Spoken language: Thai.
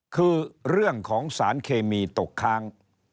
คือเรื่องของสารเคมีตกค้าง